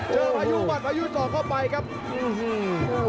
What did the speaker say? เจอพายุก่อนพายุต่อก้อไปอื้อหือน